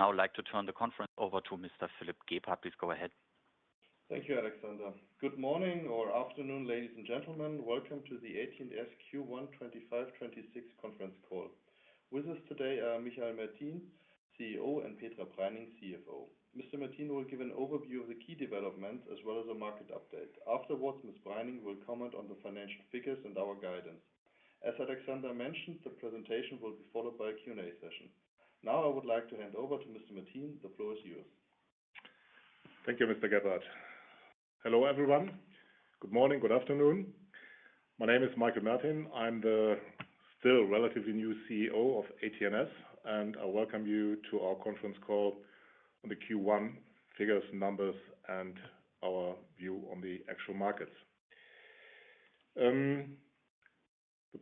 I would now like to turn the conference over to Mr. Philipp Gebhardt. Please go ahead. Thank you, Alexander. Good morning or afternoon, ladies and gentlemen. Welcome to the AT&S 2025/2026 conference call. With us today are Michael Mertin, CEO, and Petra Preining, CFO. Mr. Mertin will give an overview of the key developments as well as a market update. Afterwards, Ms. Preining will comment on the financial figures and our guidance. As Alexander mentioned, the presentation will be followed by a Q&A session. Now I would like to hand over to Mr. Mertin. The floor is yours. Thank you, Mr. Gebhardt. Hello everyone. Good morning, good afternoon. My name is Michael Mertin. I'm the still relatively new CEO of AT&S. I welcome you to our conference call on the Q1 figures, numbers, and our view on the actual markets. The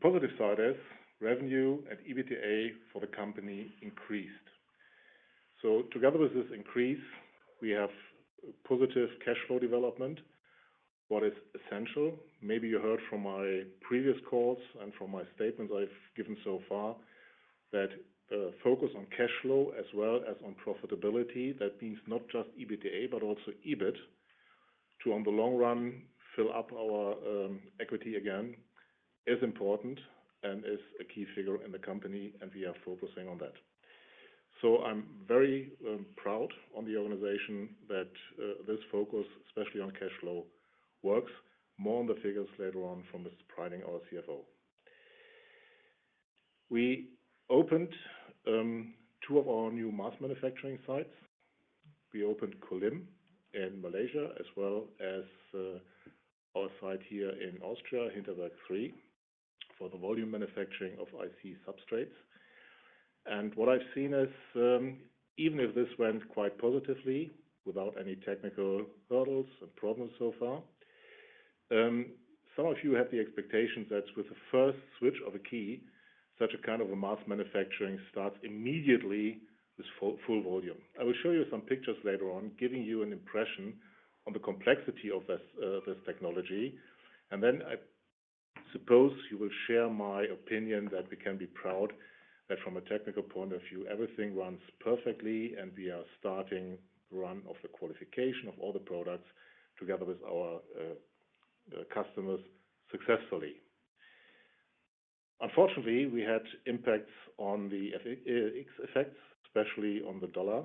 positive side is revenue and EBITDA for the company increased. Together with this increase, we have a positive cash flow development. What is essential, maybe you heard from my previous calls and from my statements I've given so far, that a focus on cash flow as well as on profitability, that means not just EBITDA, but also EBIT to, in the long run, fill up our equity again, is important and is a key figure in the company. We are focusing on that. I'm very proud of the organization that this focus, especially on cash flow, works. More on the figures later on from Ms. Preining, our CFO. We opened two of our new mass manufacturing sites. We opened Kulim in Malaysia as well as our site here in Austria, Hinterberg III, for the volume manufacturing of IC substrates. What I've seen is, even if this went quite positively without any technical hurdles and problems so far, some of you have the expectation that with the first switch of a key, such a kind of a mass manufacturing starts immediately with full volume. I will show you some pictures later on, giving you an impression of the complexity of this technology. I suppose you will share my opinion that we can be proud that from a technical point of view, everything runs perfectly and we are starting the run of the qualification of all the products together with our customers successfully. Unfortunately, we had impacts on the FX, especially on the dollar.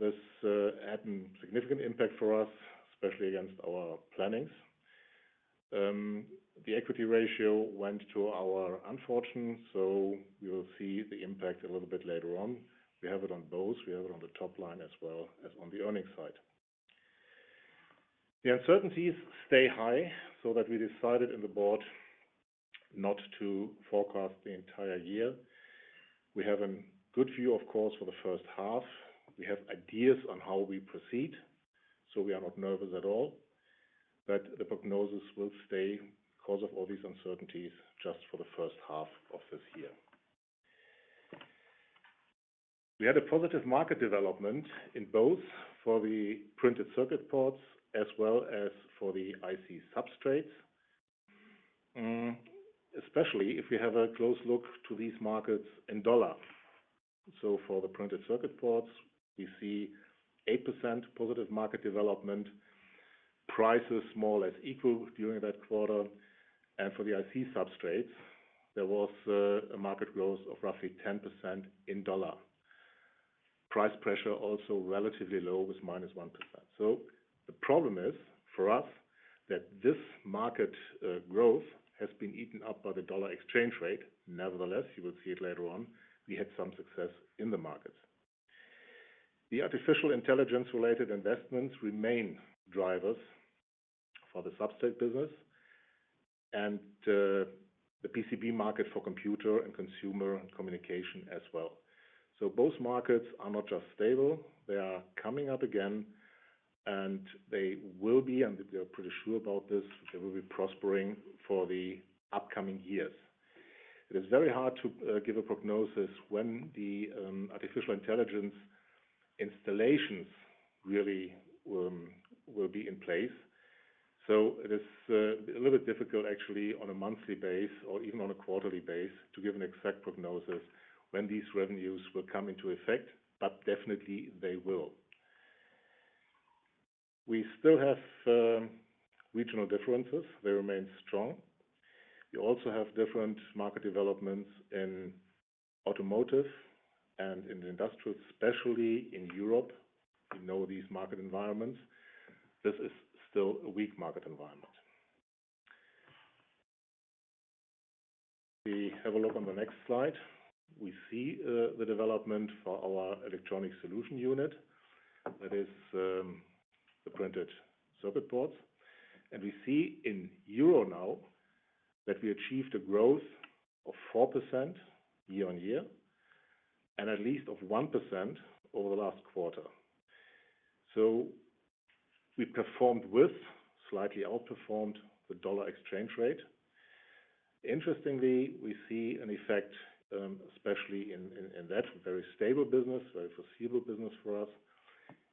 This had a significant impact for us, especially against our plannings. The equity ratio went to our unfortunate. You'll see the impact a little bit later on. We have it on both. We have it on the top line as well as on the earnings side. The uncertainties stay high that we decided in the board not to forecast the entire year. We have a good view, of course, for the first half. We have ideas on how we proceed. We are not nervous at all. The prognosis will stay because of all these uncertainties just for the first half of this year. We had a positive market development in both for the printed circuit boards as well as for the IC substrates. Especially if we have a close look to these markets in dollar. For the printed circuit boards, we see 8% positive market development, prices more or less equal during that quarter. For the IC substrates, there was a market growth of roughly 10% in dollar. Price pressure also relatively low with -1%. The problem is for us that this market growth has been eaten up by the dollar exchange rate. Nevertheless, you will see it later on. We had some success in the markets. The artificial intelligence-related investments remain drivers for the substrate business and the PCB market for computer and consumer communication as well. Both markets are not just stable. They are coming up again. They will be, and they're pretty sure about this, they will be prospering for the upcoming years. It is very hard to give a prognosis when the artificial intelligence installations really will be in place. It is a little bit difficult actually on a monthly base or even on a quarterly base to give an exact prognosis when these revenues will come into effect. Definitely, they will. We still have regional differences. They remain strong. We also have different market developments in automotive and in the industrial, especially in Europe. You know these market environments. This is still a weak market environment. We have a look on the next slide. We see the development for our electronic solution unit. That is the printed circuit boards. We see in Euro now that we achieved a growth of 4% year-on-year and at least 1% over the last quarter. We performed with, slightly outperformed the dollar exchange rate. Interestingly, we see an effect, especially in that very stable business, very foreseeable business for us.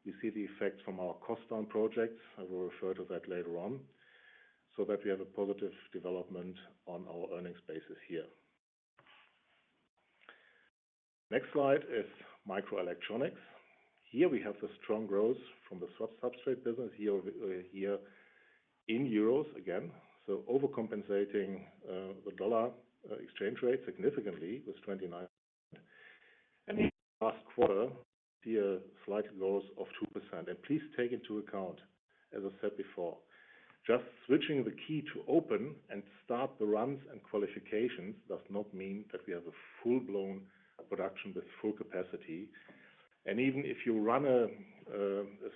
We see the effects from our cost down projects. I will refer to that later on. We have a positive development on our earnings basis here. Next slide is microelectronics. Here we have the strong growth from the substrate business here in Euros again. Overcompensating the dollar exchange rate significantly with 29%. The last quarter, we had a slight growth of 2%. Please take into account, as I said before, just switching the key to open and start the runs and qualifications does not mean that we have a full-blown production with full capacity. Even if you run a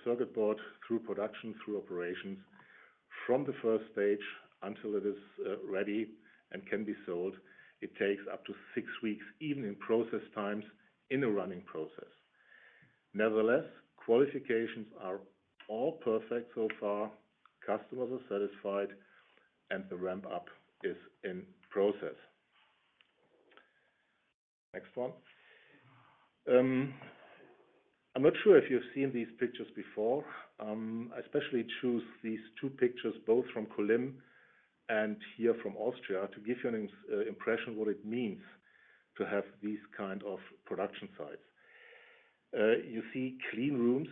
circuit board through production, through operations, from the first stage until it is ready and can be sold, it takes up to six weeks, even in process times in the running process. Nevertheless, qualifications are all perfect so far. Customers are satisfied. The ramp-up is in process. Next one. I'm not sure if you've seen these pictures before. I especially choose these two pictures, both from Kulim and here from Austria, to give you an impression of what it means to have these kinds of production sites. You see clean rooms.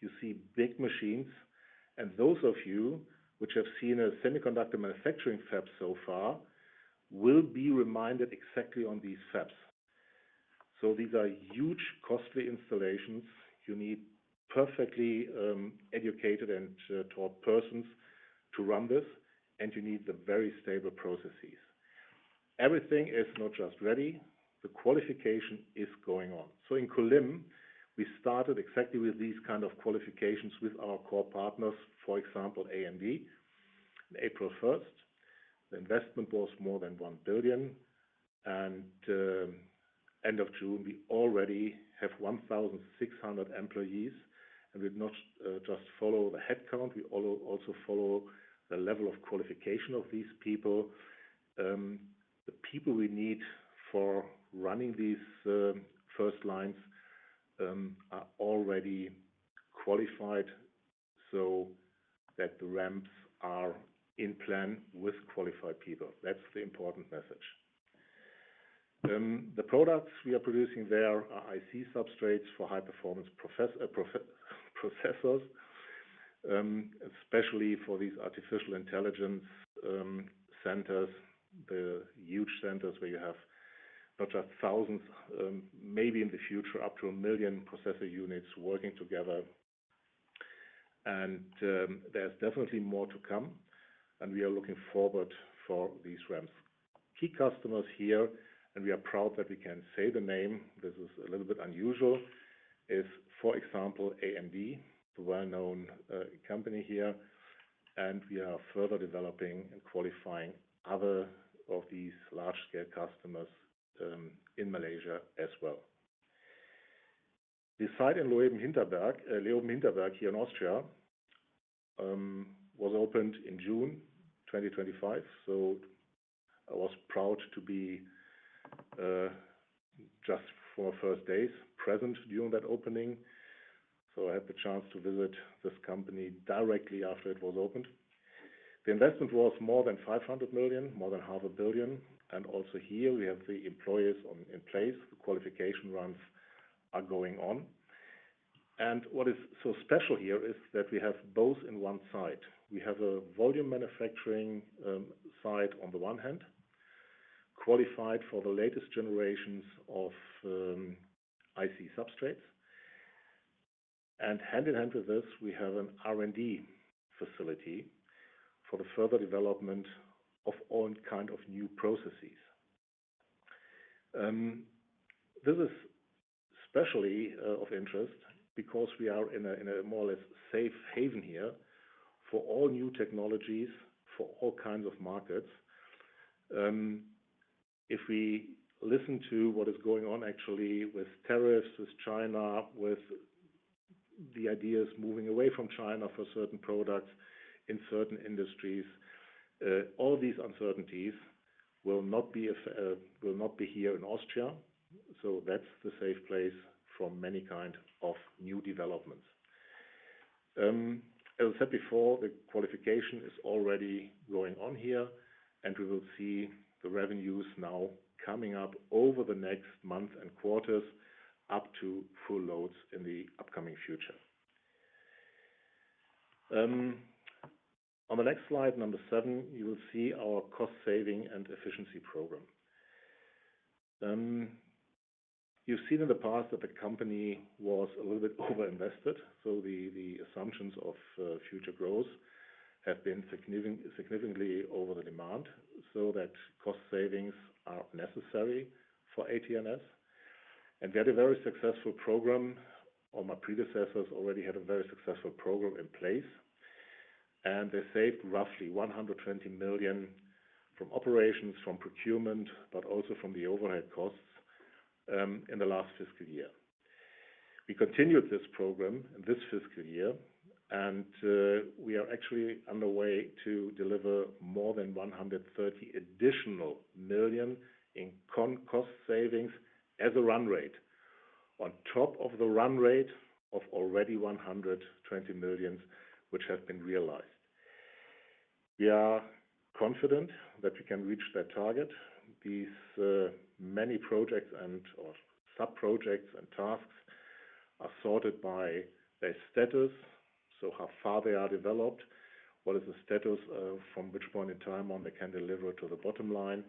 You see big machines. Those of you who have seen a semiconductor manufacturing fab so far will be reminded exactly of these fabs. These are huge, costly installations. You need perfectly educated and taught persons to run this. You need very stable processes. Everything is not just ready. The qualification is going on. In Kulim, we started exactly with these kinds of qualifications with our core partners, for example, AMD, on April 1st. The investment was more than 1 billion. By the end of June, we already have 1,600 employees. We've not just followed the headcount. We also follow the level of qualification of these people. The people we need for running these first lines are already qualified so that the ramps are in plan with qualified people. That's the important message. The products we are producing there are IC substrates for high-performance processors, especially for these artificial intelligence centers, the huge centers where you have not just thousands, maybe in the future up to a million processor units working together. There is definitely more to come. We are looking forward to these ramps. Key customers here, and we are proud that we can say the name, this is a little bit unusual, is, for example, AMD, the well-known company here. We are further developing and qualifying other of these large-scale customers in Malaysia as well. The site in Leoben-Hinterberg III here in Austria was opened in June 2025. I was proud to be just for the first days present during that opening. I had the chance to visit this company directly after it was opened. The investment was more than 500 million, more than 0.5 billion. Also here, we have the employees in place. The qualification runs are going on. What is so special here is that we have both in one site. We have a volume manufacturing site on the one hand, qualified for the latest generations of IC substrates. Hand in hand with this, we have an R&D facility for the further development of all kinds of new processes. This is especially of interest because we are in a more or less safe haven here for all new technologies, for all kinds of markets. If we listen to what is going on actually with tariffs, with China, with the ideas moving away from China for certain products in certain industries, all these uncertainties will not be here in Austria. That's the safe place for many kinds of new developments. As I said before, the qualification is already going on here. We will see the revenues now coming up over the next months and quarters up to full loads in the upcoming future. On the next slide, number seven, you will see our cost-saving and efficiency program. You've seen in the past that the company was a little bit overinvested. The assumptions of future growth have been significantly over the demand, so that cost savings are necessary for AT&S. We had a very successful program. All my predecessors already had a very successful program in place, and they saved roughly 120 million from operations, from procurement, but also from the overhead costs in the last fiscal year. We continued this program in this fiscal year, and we are actually on the way to deliver more than 130 million additional in cost savings as a run rate, on top of the run rate of already 120 million which have been realized. We are confident that we can reach that target. These many projects and subprojects and tasks are sorted by their status. How far are they developed? What is the status from which point in time on they can deliver to the bottom line?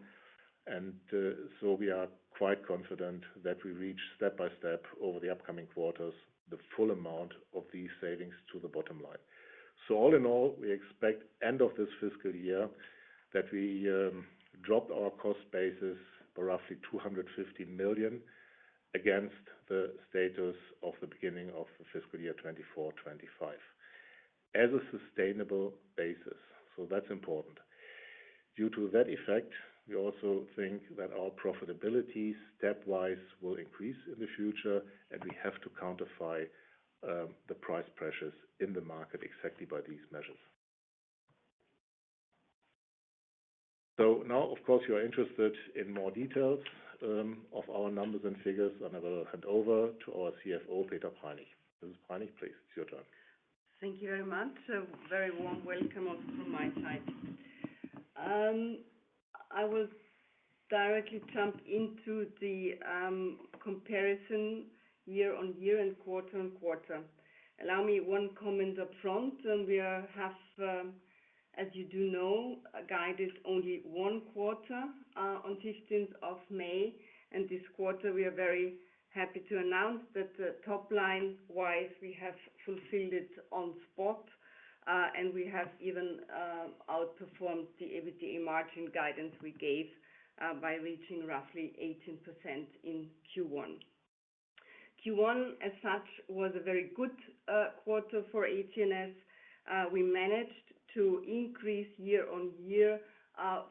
We are quite confident that we reach step by step over the upcoming quarters the full amount of these savings to the bottom line. All in all, we expect end of this fiscal year that we drop our cost basis by roughly 250 million against the status of the beginning of the fiscal year 2024/2025 as a sustainable basis. That's important. Due to that effect, we also think that our profitability stepwise will increase in the future. We have to quantify the price pressures in the market exactly by these measures. Now, of course, you are interested in more details of our numbers and figures. I'm going to hand over to our CFO, Petra Preining. Ms. Preining, please, it's your turn. Thank you very much. A very warm welcome also from my side. I will directly jump into the comparison year-on-year and quarter-on-quarter. Allow me one comment upfront. We have, as you do know, guided only one quarter on 15th of May. This quarter, we are very happy to announce that the top line-wise, we have fulfilled it on spot. We have even outperformed the EBITDA margin guidance we gave by reaching roughly 18% in Q1. Q1, as such, was a very good quarter for AT&S. We managed to increase year-on-year 14%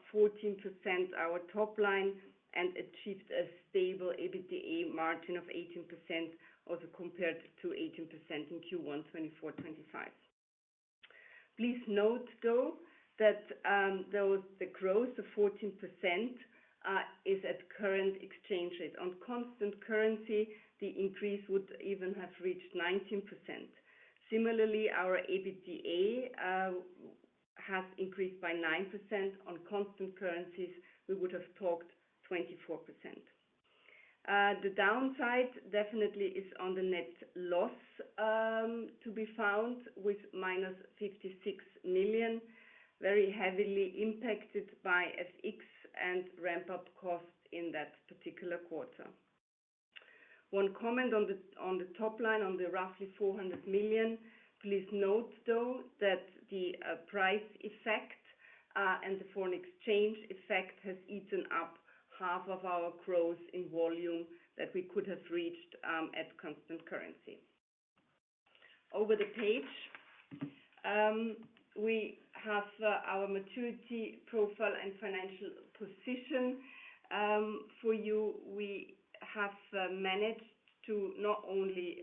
our top line and achieved a stable EBITDA margin of 18% also compared to 18% in Q1 2024/2025. Please note, though, that the growth of 14% is at the current exchange rate. On constant currency, the increase would even have reached 19%. Similarly, our EBITDA has increased by 9%. On constant currencies, we would have talked 24%. The downside definitely is on the net loss to be found with -56 million, very heavily impacted by FX and ramp-up costs in that particular quarter. One comment on the top line on the roughly 400 million. Please note, though, that the price effect and the foreign exchange effect have eaten up half of our growth in volume that we could have reached at constant currency. Over the page, we have our maturity profile and financial position for you. We have managed to not only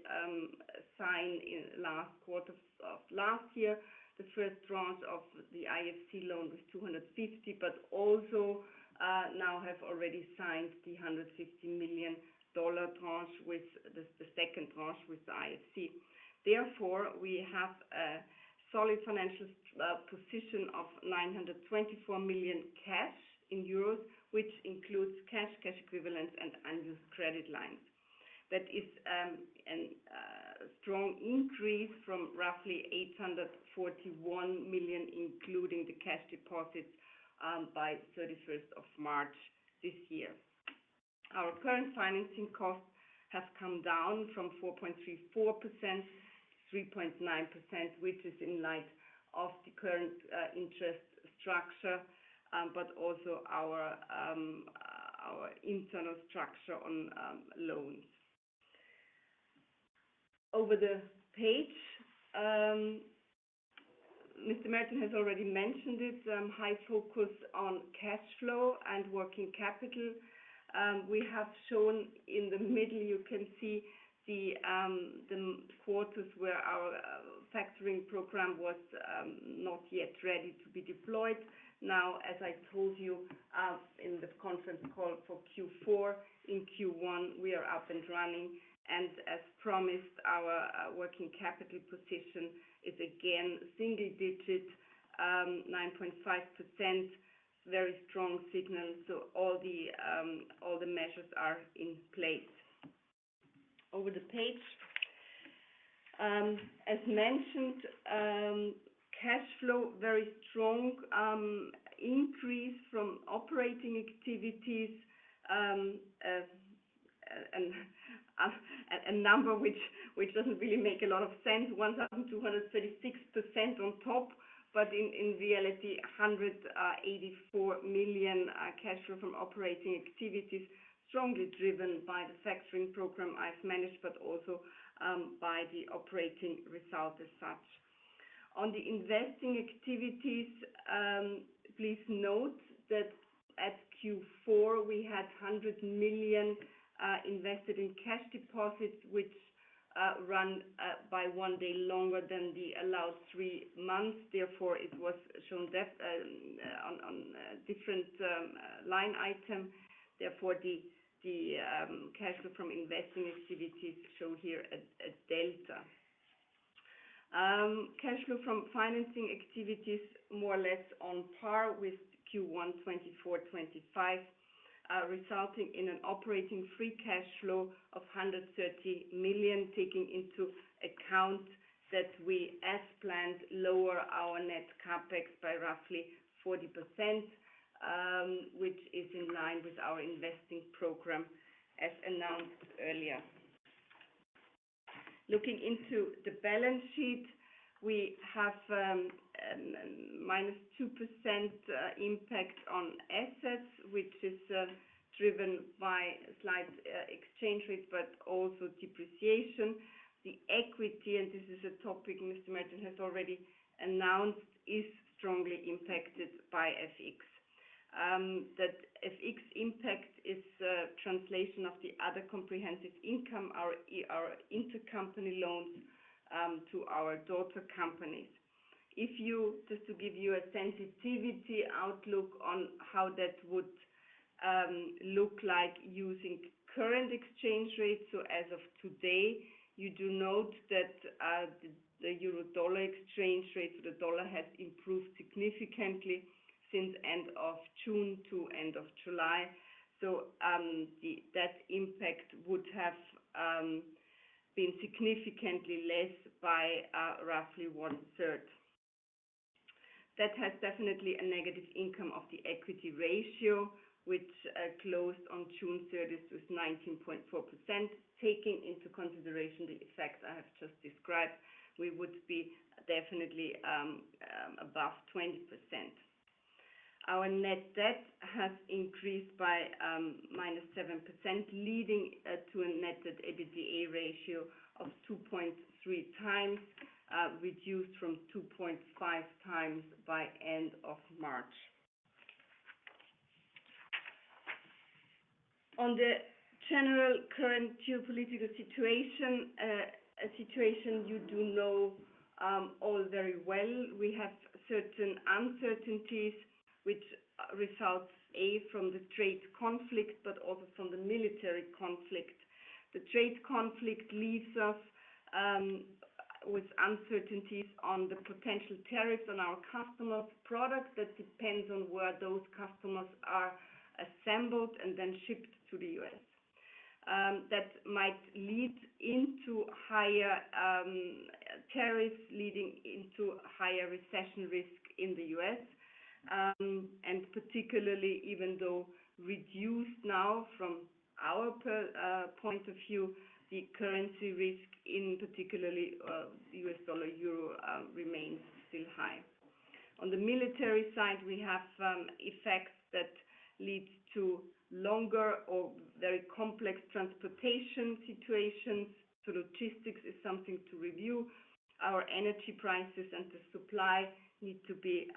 sign in the last quarter of last year the first tranche of the IFC loan with 250 million, but also now have already signed the $150 million tranche with the second tranche with the IFC. Therefore, we have a solid financial position of 924 million cash, which includes cash, cash equivalents, and unused credit lines. That is a strong increase from roughly 841 million, including the cash deposits by 31st of March this year. Our current financing costs have come down from 4.34% to 3.9%, which is in light of the current interest structure, but also our internal structure on loans. Over the page, Mr. Mertin has already mentioned it, high focus on cash flow and working capital. We have shown in the middle, you can see the quarters where our factoring program was not yet ready to be deployed. Now, as I told you in the conference call for Q4, in Q1, we are up and running. As promised, our working capital position is again single-digit, 9.5%. Very strong signal. All the measures are in place. Over the page, as mentioned, cash flow, very strong increase from operating activities. A number which doesn't really make a lot of sense. One's up to 236% on top. In reality, 184 million cash flow from operating activities, strongly driven by the factoring program I've managed, but also by the operating result as such. On the investing activities, please note that at Q4, we had 100 million invested in cash deposits, which run by one day longer than the allowed three months. Therefore, it was shown on different line items. Therefore, the cash flow from investing activities shown here at delta. Cash flow from financing activities more or less on par with Q1 2024/25, resulting in an operating free cash flow of 130 million, taking into account that we, as planned, lower our net CapEx by roughly 40%, which is in line with our investing program as announced earlier. Looking into the balance sheet, we have a -2% impact on assets, which is driven by slight exchange rates, but also depreciation. The equity, and this is a topic Mr. Mertin has already announced, is strongly impacted by FX. That FX impact is a translation of the other comprehensive income, our intercompany loans to our daughter companies. If you, just to give you a sensitivity outlook on how that would look like using current exchange rates, as of today, you do note that the Euro dollar exchange rate for the dollar has improved significantly since the end of June to end of July. That impact would have been significantly less by roughly one-third. That has definitely a negative income of the equity ratio, which closed on June 30th with 19.4%. Taking into consideration the effects I have just described, we would be definitely above 20%. Our net debt has increased by -7%, leading to a net debt/EBITDA ratio of 2.3x, reduced from 2.5x by end of March. On the general current geopolitical situation, a situation you do know all very well. We have certain uncertainties, which result, A, from the trade conflict, but also from the military conflict. The trade conflict leaves us with uncertainties on the potential tariffs on our customer product that depends on where those customers are assembled and then shipped to the U.S. That might lead into higher tariffs, leading into higher recession risk in the U.S. Particularly, even though reduced now from our point of view, the currency risk in particularly U.S. dollar Euro remains still high. On the military side, we have effects that lead to longer or very complex transportation situations. Logistics is something to review. Our energy prices and the supply need to be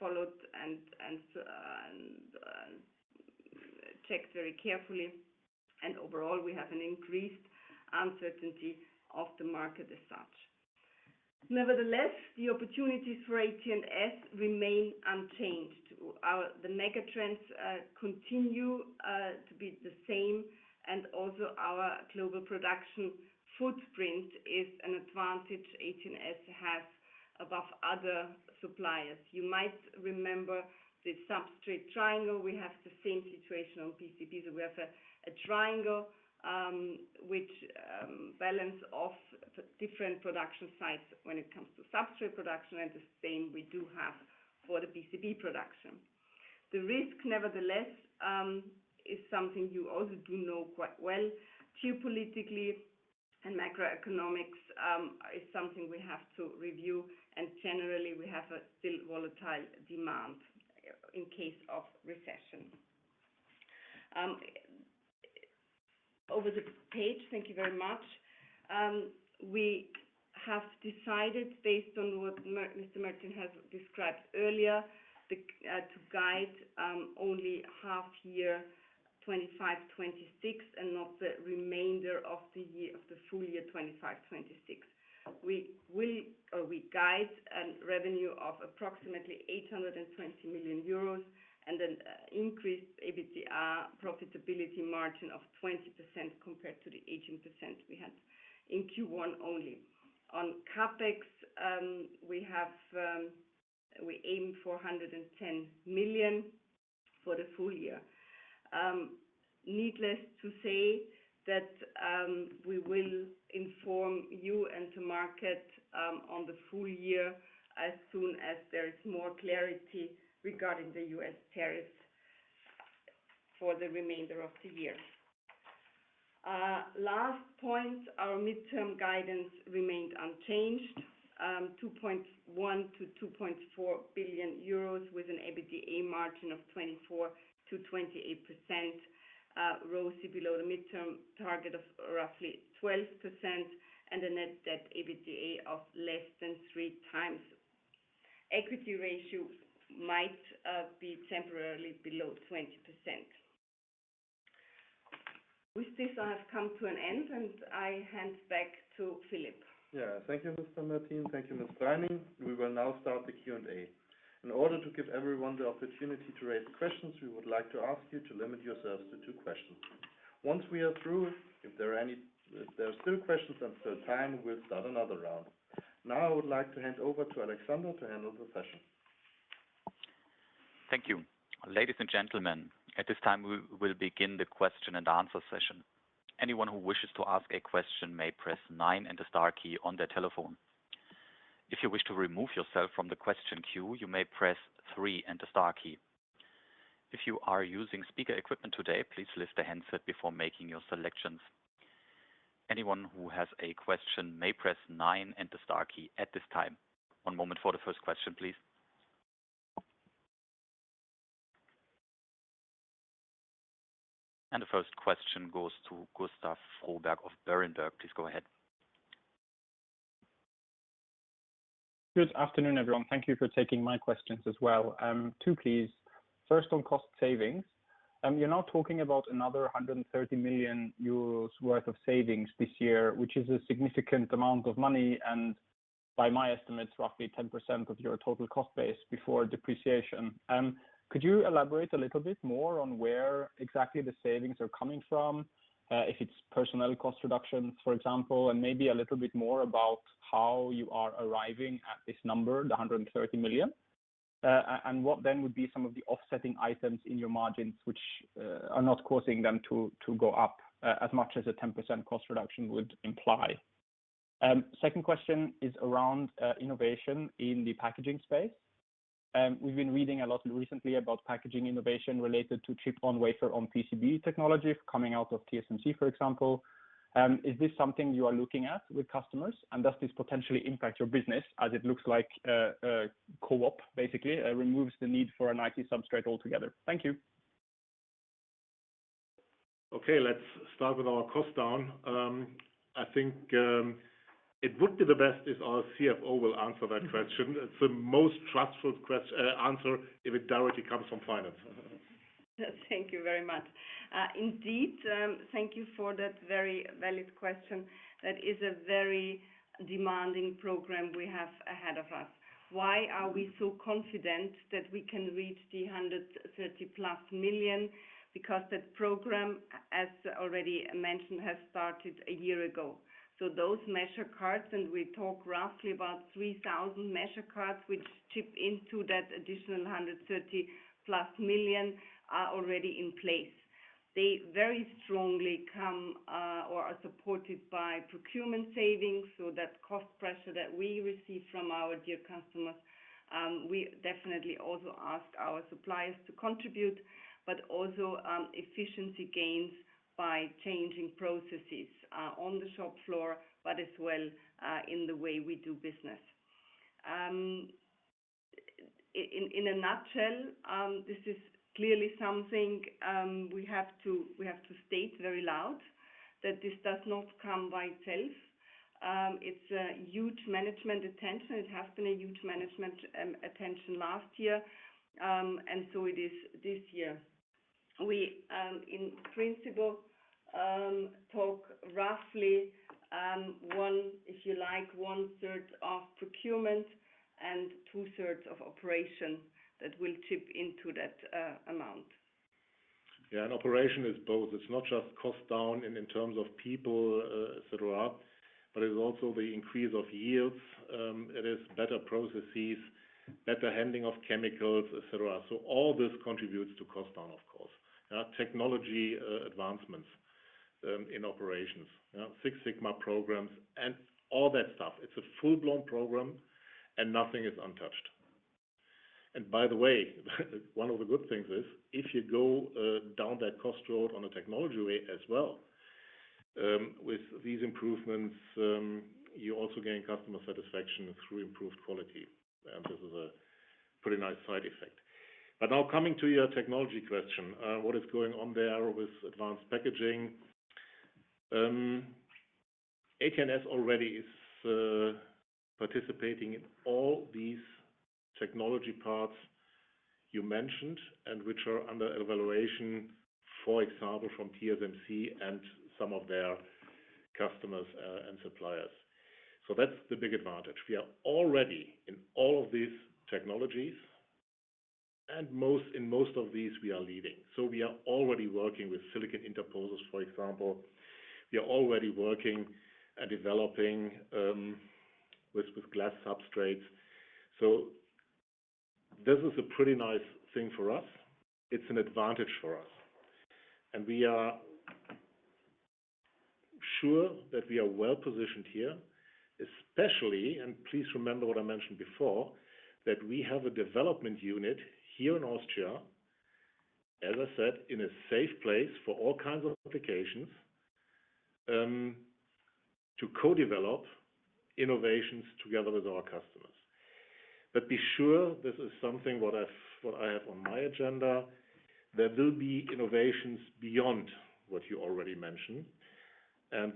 followed and checked very carefully. Overall, we have an increased uncertainty of the market as such. Nevertheless, the opportunities for AT&S remain unchanged. The megatrends continue to be the same. Also, our global production footprint is an advantage AT&S has above other suppliers. You might remember the substrate triangle. We have the same situation on printed circuit boards. We have a triangle which balances off different production sites when it comes to substrate production. The same we do have for the printed circuit board production. The risk, nevertheless, is something you also do know quite well. Geopolitically and macroeconomics is something we have to review. Generally, we have a still volatile demand in case of recession. Over the page, thank you very much. We have decided, based on what Mr. Mertin has described earlier, to guide only half year 2025/2026 and not the remainder of the full year 2025/2026. We will or we guide a revenue of approximately 820 million euros and an increased EBITDA profitability margin of 20% compared to the 18% we had in Q1 only. On CapEx, we aim for 410 million for the full year. Needless to say that we will inform you and the market on the full year as soon as there is more clarity regarding the U.S. tariffs for the remainder of the year. Last point, our midterm guidance remained unchanged. 2.1-2.4 billion euros with an EBITDA margin of 24%-28%. Rosy below the midterm target of roughly 12% and a net debt/EBITDA of less than 3x. Equity ratios might be temporarily below 20%. With this, I have come to an end. I hand back to Philipp. Thank you, Mr. Mertin. Thank you, Ms. Preining. We will now start the Q&A. In order to give everyone the opportunity to raise questions, we would like to ask you to limit yourselves to two questions. Once we are through, if there are still questions and still time, we'll start another round. Now I would like to hand over to Alexander to handle the session. Thank you. Ladies and gentlemen, at this time, we will begin the question and answer session. Anyone who wishes to ask a question may press nine and the star key on their telephone. If you wish to remove yourself from the question queue, you may press three and the star key. If you are using speaker equipment today, please lift the handset before making your selections. Anyone who has a question may press nine and the star key at this time. One moment for the first question, please. The first question goes to Gustav Froberg of Berenberg. Please go ahead. Good afternoon, everyone. Thank you for taking my questions as well. Two, please. First on cost savings. You're now talking about another 130 million euros worth of savings this year, which is a significant amount of money and, by my estimates, roughly 10% of your total cost base before depreciation. Could you elaborate a little bit more on where exactly the savings are coming from, if it's personnel cost reductions, for example, and maybe a little bit more about how you are arriving at this number, the 130 million, and what then would be some of the offsetting items in your margins which are not causing them to go up as much as a 10% cost reduction would imply? Second question is around innovation in the packaging space. We've been reading a lot recently about packaging innovation related to chip-on-wafer-on-PCB technology coming out of TSMC, for example. Is this something you are looking at with customers? And does this potentially impact your business as it looks like a chip-on-wafer-on-PCB basically removes the need for an IC substrate altogether? Thank you. Okay. Let's start with our cost down. I think it would be the best if our CFO will answer that question. It's the most trustful answer if it directly comes from Finance. Thank you very much. Indeed, thank you for that very valid question. That is a very demanding program we have ahead of us. Why are we so confident that we can reach the 130+ million? Because that program, as already mentioned, has started a year ago. Those measure cards, and we talk roughly about 3,000 measure cards which chip into that additional 130+ million, are already in place. They very strongly come or are supported by procurement savings. That cost pressure that we receive from our dear customers, we definitely also ask our suppliers to contribute, but also efficiency gains by changing processes on the shop floor, as well in the way we do business. In a nutshell, this is clearly something we have to state very loud that this does not come by itself. It's a huge management attention. It has been a huge management attention last year. It is this year. We, in principle, talk roughly one, if you like, one-third of procurement and two-thirds of operation that will chip into that amount. Yeah. Operation is both. It's not just cost down in terms of people, etc., but it's also the increase of yields. It is better processes, better handling of chemicals, etc. All this contributes to cost down, of course. Technology advancements in operations, Six Sigma programs and all that stuff. It's a full-blown program and nothing is untouched. By the way, one of the good things is if you go down that cost road on the technology way as well, with these improvements, you also gain customer satisfaction through improved quality. This is a pretty nice side effect. Now coming to your technology question, what is going on there with advanced packaging? AT&S already is participating in all these technology parts you mentioned and which are under evaluation, for example, from TSMC and some of their customers and suppliers. That's the big advantage. We are already in all of these technologies. In most of these, we are leading. We are already working with silicon interposers, for example. We are already working and developing with glass substrates. This is a pretty nice thing for us. It's an advantage for us. We are sure that we are well positioned here, especially, and please remember what I mentioned before, that we have a development unit here in Austria, as I said, in a safe place for all kinds of applications to co-develop innovations together with our customers. Be sure this is something I have on my agenda. There will be innovations beyond what you already mentioned.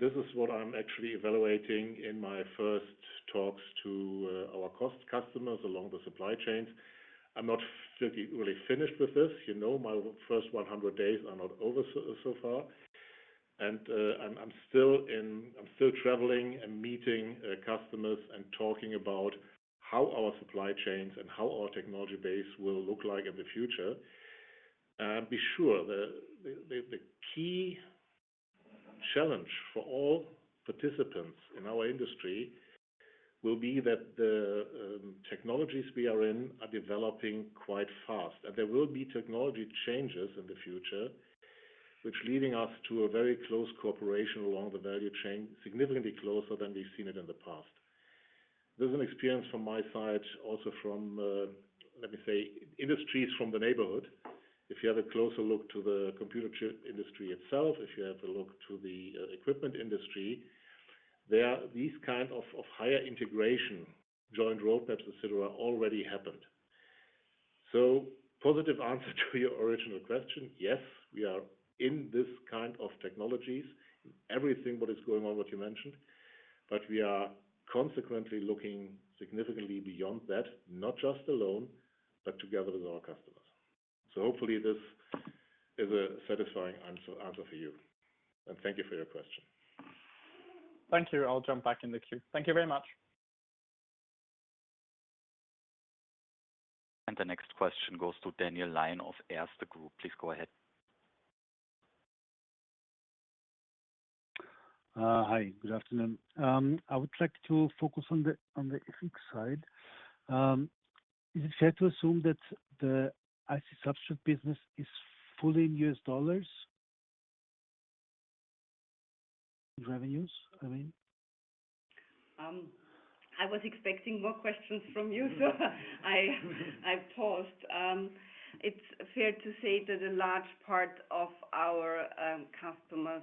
This is what I'm actually evaluating in my first talks to our customers along the supply chains. I'm not really finished with this. You know my first 100 days are not over so far. I'm still traveling and meeting customers and talking about how our supply chains and how our technology base will look like in the future. Be sure, the key challenge for all participants in our industry will be that the technologies we are in are developing quite fast. There will be technology changes in the future, which are leading us to a very close cooperation along the value chain, significantly closer than we've seen it in the past. This is an experience from my side, also from, let me say, industries from the neighborhood. If you have a closer look to the computer chip industry itself, if you have a look to the equipment industry, these kinds of higher integration, joined roadmaps, etc., already happened. Positive answer to your original question. Yes, we are in this kind of technologies in everything what is going on, what you mentioned. We are consequently looking significantly beyond that, not just alone, but together with our customers. Hopefully, this is a satisfying answer for you. Thank you for your question. Thank you. I'll jump back in the queue. Thank you very much. The next question goes to Daniel Lion of Erste Group. Please go ahead. Hi. Good afternoon. I would like to focus on the FX side. Is it fair to assume that the IC substrate business is fully in U.S. dollars revenues, I mean? I was expecting more questions from you. I've paused it. It's fair to say that a large part of our customers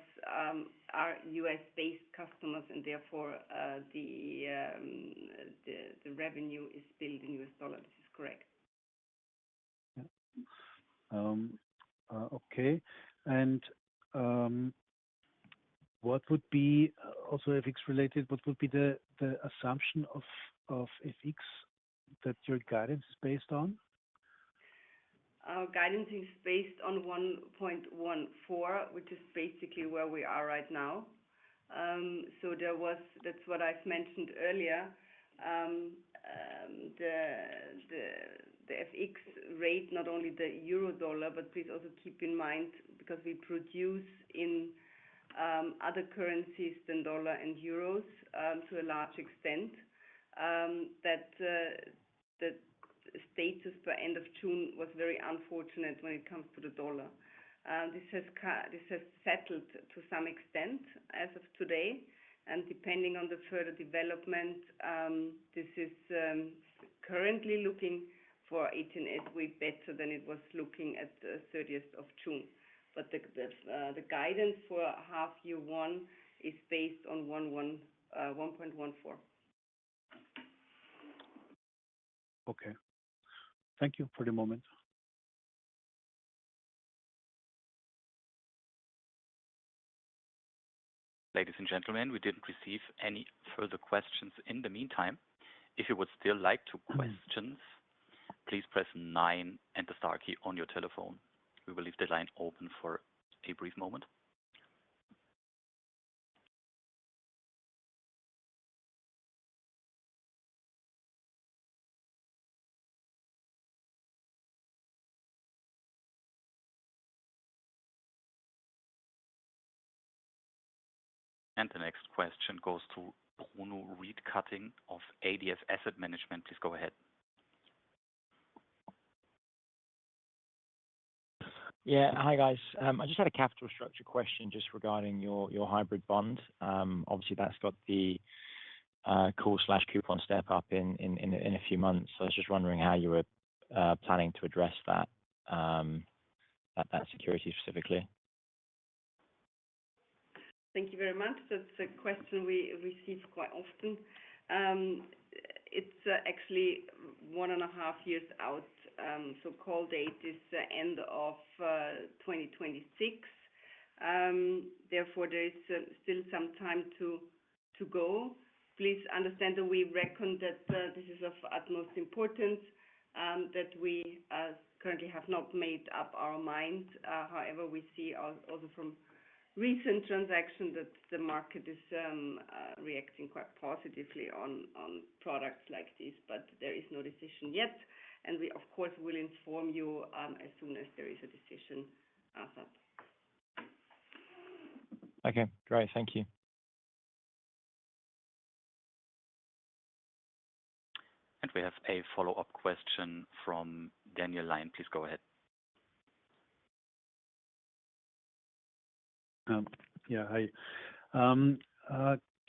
are U.S.-based customers, and therefore, the revenue is billed in U.S. dollars. This is correct. Okay. What would be also FX-related? What would be the assumption of FX that your guidance is based on? Our guidance is based on 1.14, which is basically where we are right now. That's what I've mentioned earlier. The FX rate, not only the Euro dollar, but please also keep in mind because we produce in other currencies than dollar and Euros to a large extent, that the status per end of June was very unfortunate when it comes to the dollar. This has settled to some extent as of today. Depending on the further development, this is currently looking for 18 weeks better than it was looking at the 30th of June. The guidance for half year one is based on 1.14. Okay, thank you for the moment. Ladies and gentlemen, we didn't receive any further questions in the meantime. If you would still like to ask questions, please press nine and the star key on your telephone. We will leave the line open for a brief moment. The next question goes to Bruno Read-Cutting of ADF Asset Management. Please go ahead. Hi, guys. I just had a capital structure question regarding your hybrid bond. Obviously, that's got the core/coupon step up in a few months. I was just wondering how you were planning to address that security specifically. Thank you very much. That's a question we receive quite often. It's actually one and a half years out. The call date is the end of 2026. Therefore, there is still some time to go. Please understand that we reckon that this is of utmost importance, that we currently have not made up our mind. However, we see also from recent transactions that the market is reacting quite positively on products like these. There is no decision yet. We, of course, will inform you as soon as there is a decision. Okay. Great. Thank you. We have a follow-up question from Daniel Lion. Please go ahead. Hi.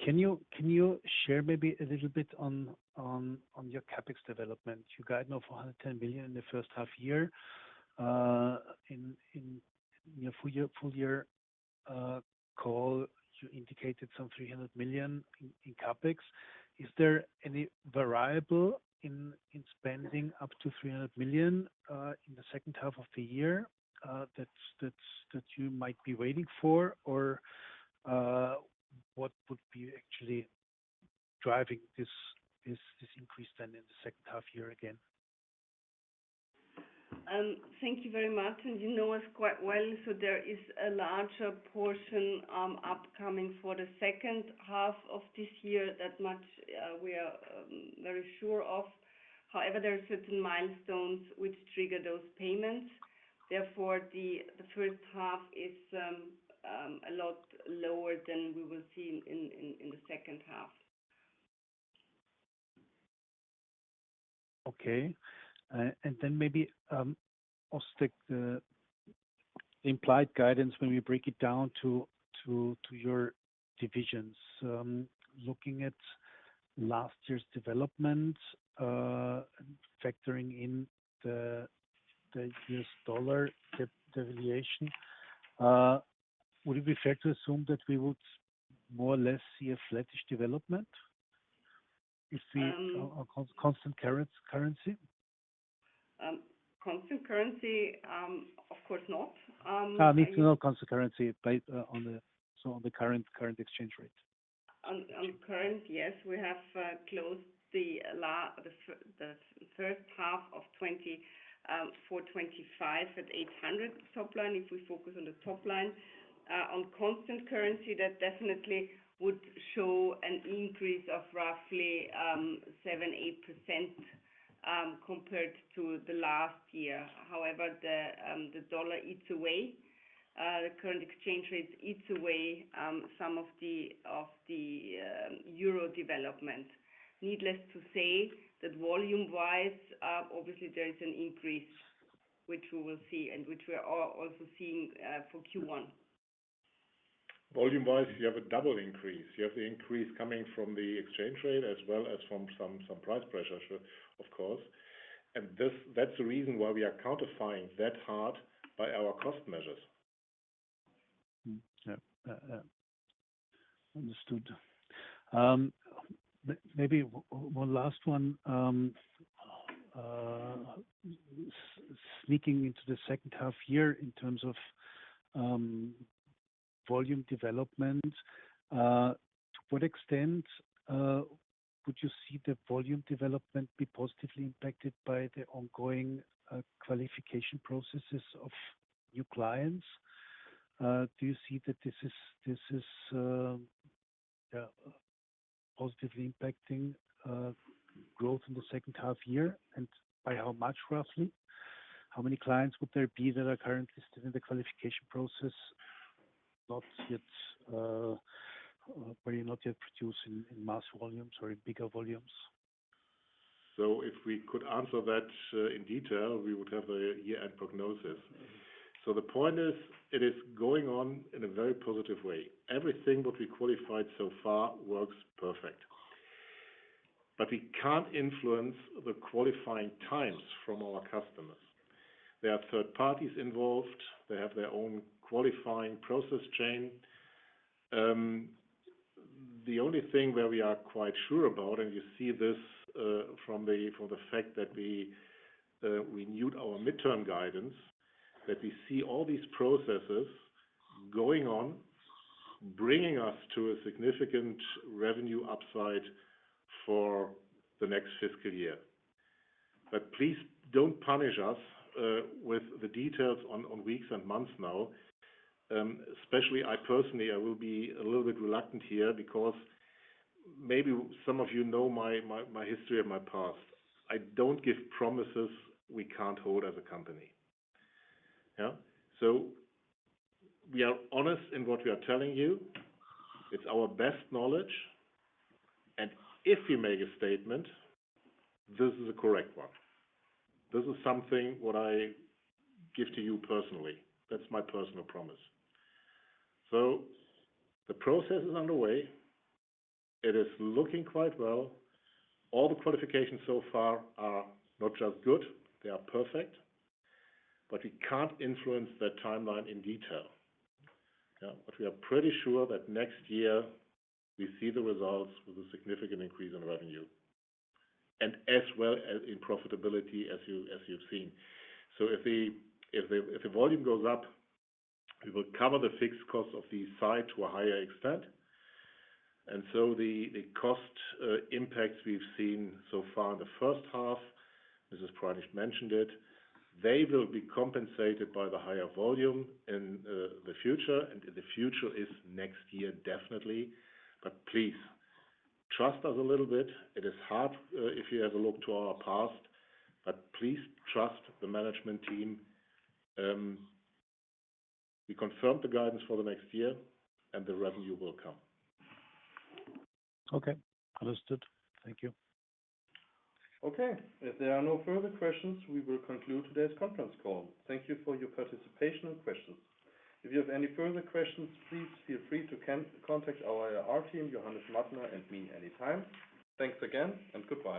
Can you share maybe a little bit on your CapEx development? You guide now for 110 million in the first half year. In your full-year call, you indicated some 300 million in CapEx. Is there any variable in spending up to 300 million in the second half of the year that you might be waiting for? What would be actually driving this increase then in the second half year again? Thank you very much. You know us quite well. There is a larger portion upcoming for the second half of this year; that much we are very sure of. However, there are certain milestones which trigger those payments. Therefore, the first half is a lot lower than we will see in the second half. Okay. Maybe I'll stick to the implied guidance when we break it down to your divisions. Looking at last year's development and factoring in the U.S. dollar deviation, would it be fair to assume that we would more or less see a flattish development if we are on constant currency? Constant currency, of course not. No, not constant currency. On the current exchange rate. On current, yes. We have closed the third half of 2024/2025 at 800 million top line. If we focus on the top line, on constant currency, that definitely would show an increase of roughly 7%, 8% compared to the last year. However, the dollar eats away. The current exchange rates eat away some of the Euro development. Needless to say that volume-wise, obviously, there is an increase which we will see and which we are also seeing for Q1. Volume-wise, you have a double increase. You have the increase coming from the exchange rate as well as from some price pressure, of course. That's the reason why we are countering that hard by our cost measures. Understood. Maybe one last one. Sneaking into the second half year in terms of volume development, to what extent would you see the volume development be positively impacted by the ongoing qualification processes of new clients? Do you see that this is positively impacting growth in the second half year? By how much, roughly? How many clients would there be that are currently still in the qualification process, not yet produced in mass volumes or in bigger volumes? If we could answer that in detail, we would have a year-end prognosis. The point is it is going on in a very positive way. Everything we qualified so far works perfect. We can't influence the qualifying times from our customers. There are third parties involved. They have their own qualifying process chain. The only thing where we are quite sure about, and you see this from the fact that we renewed our midterm guidance, is that we see all these processes going on, bringing us to a significant revenue upside for the next fiscal year. Please don't punish us with the details on weeks and months now. Especially, I personally, I will be a little bit reluctant here because maybe some of you know my history and my past. I don't give promises we can't hold as a company. We are honest in what we are telling you. It's our best knowledge. If you make a statement, this is a correct one. This is something I give to you personally. That's my personal promise. The process is underway. It is looking quite well. All the qualifications so far are not just good. They are perfect. We can't influence that timeline in detail. We are pretty sure that next year, we see the results with a significant increase in revenue and as well as in profitability, as you've seen. If the volume goes up, we will cover the fixed cost of the site to a higher extent. The cost impacts we've seen so far in the first half, Mrs. Preining mentioned it, they will be compensated by the higher volume in the future. The future is next year, definitely. Please trust us a little bit. It is hard if you have a look to our past. Please trust the management team. We confirmed the guidance for the next year, and the revenue will come. Okay, understood. Thank you. Okay. If there are no further questions, we will conclude today's conference call. Thank you for your participation and questions. If you have any further questions, please feel free to contact our RTM, Johannes Mattner at any time. Thanks again, and goodbye.